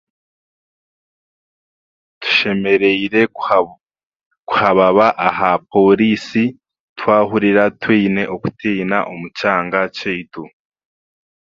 Tushemereire kuha kuhababa aha pooriisi twahurira twine okutiina omu kyanga kyaitu